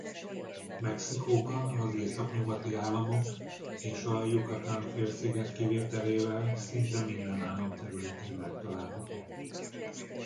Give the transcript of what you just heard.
Mexikóban az északnyugati államok és a Yucatán-félsziget kivételével szinte minden állam területén megtalálható.